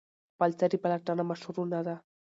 خپلسري پلټنه مشروع نه ده.